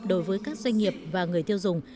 đối với các doanh nghiệp và người tiêu dùng